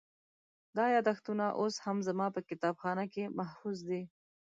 دا یادښتونه اوس هم زما په کتابخانه کې محفوظ دي.